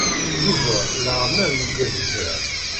Yuba leɛmer yuggad kra.